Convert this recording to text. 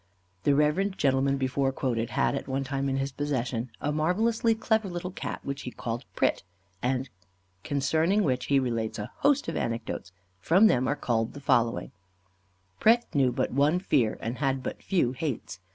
The reverend gentleman before quoted, had at one time in his possession a marvellously clever little Cat, which he called "Pret," and concerning which he relates a host of anecdotes; from them are culled the following: Pret knew but one fear, and had but few hates.